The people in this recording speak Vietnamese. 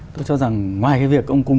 tôi cho rằng ngoài cái việc ông cung